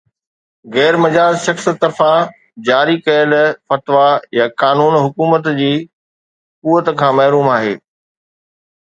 غير مجاز شخص طرفان جاري ڪيل فتويٰ يا قانون حڪومت جي قوت کان محروم آهي